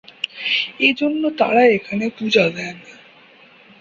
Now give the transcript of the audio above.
এজন্য তারা এখানে পূজা দেন।